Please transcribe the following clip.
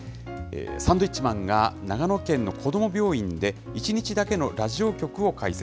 サンドウィッチマンが長野県の子ども病院で１日だけのラジオ局を開設。